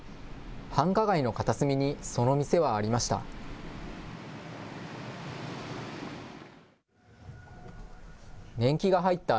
繁華街の片隅にその店はありました。